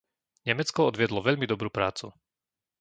Nemecko odviedlo veľmi dobrú prácu.